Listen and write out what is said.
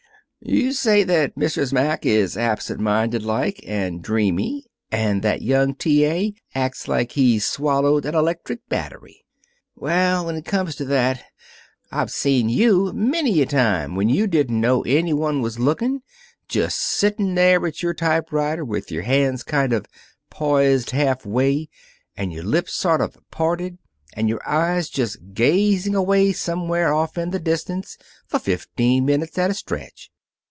"You say that Mrs. Mack is absent minded like and dreamy, and that young T. A. acts like he'd swallowed an electric battery. Well, when it comes to that, I've seen you many a time, when you didn't know any one was lookin', just sitting there at your typewriter, with your hands kind of poised halfway, and your lips sort of parted, and your eyes just gazing away somewhere off in the distance for fifteen minutes at a stretch.